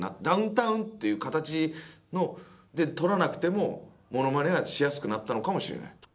ダウンタウンっていう形で取らなくてもモノマネがしやすくなったのかもしれない。